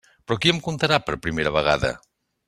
Però qui em contarà per primera vegada?